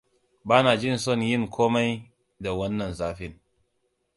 Ba na jin son yin komai da wannan zafin.